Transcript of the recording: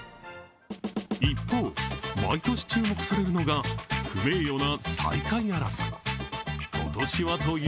一方、毎年注目されるのが不名誉な最下位争い。